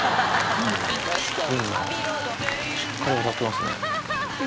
しっかり渡ってますね。